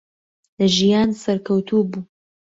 لە ژیان سەرکەوتوو بوو.